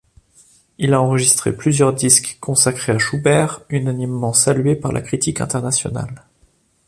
Il a enregistré plusieurs disques consacrés à Schubert, unanimement salués par la critique internationale.